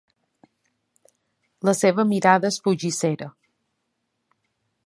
La seva mirada és fugissera.